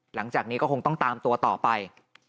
หลังจากนี้ก็คงต้องตามตัวต่อไป